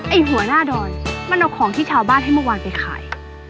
หัวหน้าดอนมันเอาของที่ชาวบ้านให้เมื่อวานไปขาย